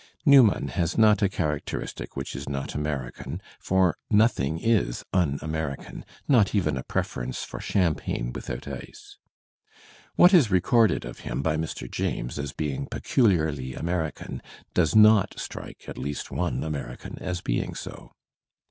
Newman has not a characteristic which is not American, for nothing is unAmerican, not even a preference for cham pagne without ice. What is recorded of him by Mr. James as being pecuUarly American does not strike at least one American as being so.